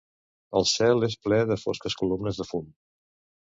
El cel és ple de fosques columnes de fum.